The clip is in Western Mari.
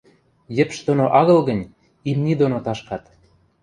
– Йӹпш доно агыл гӹнь, имни доно ташкат».